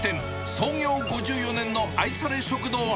創業５４年の愛され食堂。